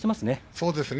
そうですね。